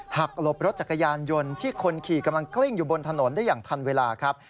หลบรถจักรยานยนต์ที่คนขี่กำลังกลิ้งอยู่บนถนนได้อย่างทันเวลาครับ